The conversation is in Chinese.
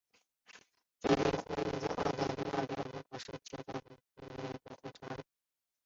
决议决定将意大利加入联合国的申请交给联合国申请入会国资格审查委员会审查。